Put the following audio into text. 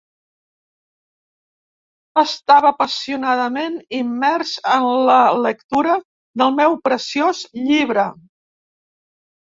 «Estava apassionadament immers en la lectura del meu preciós llibre.